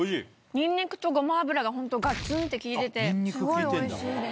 ニンニクとごま油が、本当、がつんと利いてて、すごいおいしいです。